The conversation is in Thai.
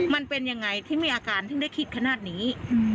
มันเป็นยังไงที่มีอาการถึงได้คิดขนาดนี้